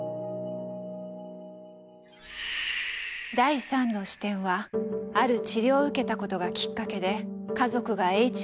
第３の視点はある治療を受けたことがきっかけで家族がＨＩＶに感染。